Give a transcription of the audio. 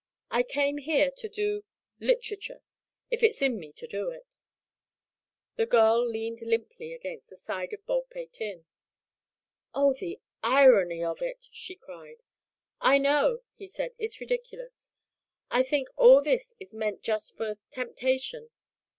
I came here to do literature if it's in me to do it." The girl leaned limply against the side of Baldpate Inn. "Oh, the irony of it!" she cried. "I know," he said, "it's ridiculous. I think all this is meant just for temptation.